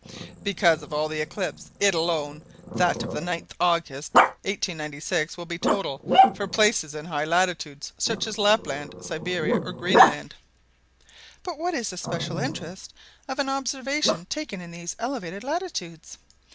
"Because of all the eclipses, it alone that of 9th August 1896 will be total for places in high latitudes, such as Lapland, Siberia, or Greenland." "But what is the special interest of an observation taken in these elevated latitudes?"